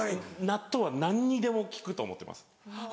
納豆は何にでも効くと思ってます。